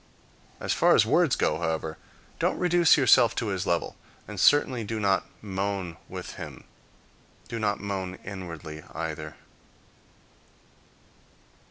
As far as words go, however, don't reduce yourself to his level, and certainly do not moan with him. Do not moan inwardly either.